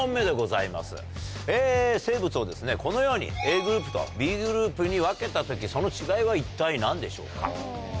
生物をこのようにＡグループとＢグループに分けた時その違いは一体何でしょうか？